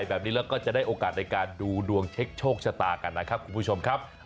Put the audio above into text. เป็นประจำในวันศุกร์ในการผวดเสมอหมอไก่แบบนี้